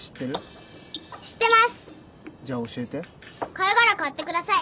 貝殻買ってください。